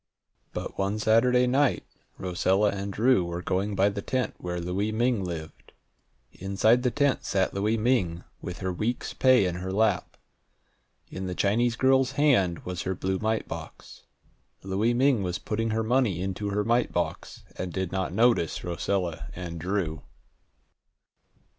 But one Saturday night Rosella and Drew were going by the tent where Louie Ming lived. Inside the tent sat Louie Ming, with her week's pay in her lap. In the Chinese girl's hand was her blue mite box. Louie Ming was putting her money into her mite box, and did not notice Rosella and Drew.